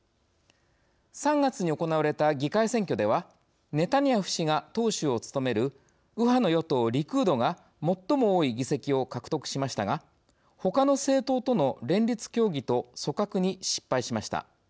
３月に行われた議会選挙ではネタニヤフ氏が党首を務める右派の与党、リクードが最も多い議席を獲得しましたがほかの政党との連立協議と組閣に失敗しました。